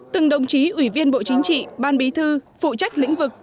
từng đồng chí ủy viên bộ chính trị ban bí thư phụ trách lĩnh vực